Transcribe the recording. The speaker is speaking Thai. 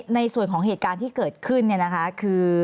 ในส่วนของเหตุการณ์ที่เกิดขึ้นคือ